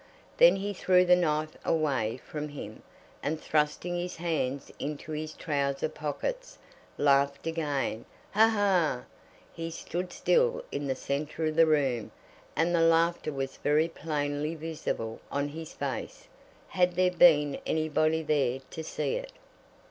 Then he threw the knife away from him, and thrusting his hands into his trousers pockets, laughed again "Ha! ha!" He stood still in the centre of the room, and the laughter was very plainly visible on his face, had there been anybody there to see it.